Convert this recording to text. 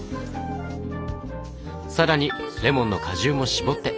更にレモンの果汁も搾って。